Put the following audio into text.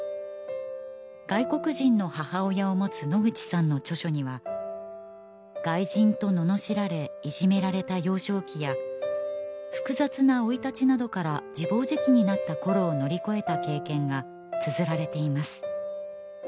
外国人の母親をもつ野口さんの著書にはガイジンとののしられいじめられた幼少期や複雑な生い立ちなどから自暴自棄になったころを乗り越えた経験がつづられています